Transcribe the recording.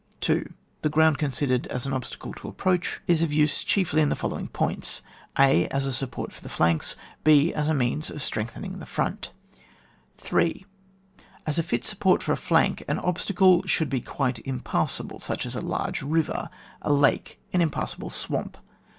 2. The ground considered as an ob stacle to approach, is of use chiefly in SUMMARY OF INaTRUCTIOir. 107 the following points :— (a) as a support for the flanks, {h) as a means of strength ening the front. 3. As a fit support for a flank, an obstacle should be quite impassable such as a large river, a lake, an impass able swamp.